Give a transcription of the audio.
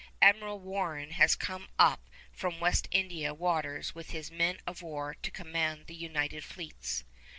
Admiral Warren has come up from West India waters with his men of war to command the united fleets.